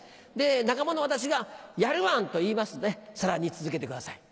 仲間の私が「やるワン！」と言いますのでさらに続けてください。